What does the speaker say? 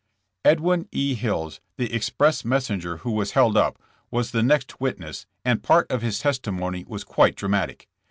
'* Edwin E. Hills, the express messenger who was held up, was the next witness, and part of his testi mony was quite dramatic.